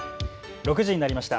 ６時になりました。